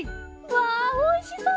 わあおいしそう！